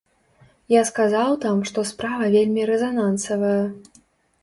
Я сказаў там, што справа вельмі рэзанансавая.